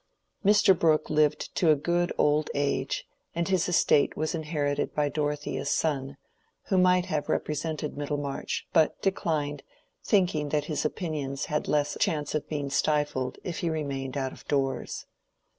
Mr. Brooke lived to a good old age, and his estate was inherited by Dorothea's son, who might have represented Middlemarch, but declined, thinking that his opinions had less chance of being stifled if he remained out of doors.